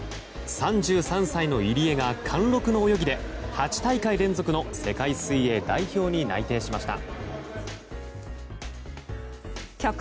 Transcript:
３３歳の入江が貫録の泳ぎで８大会連続の世界水泳代表に内定しました。